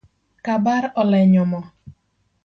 Kabar olenyo moo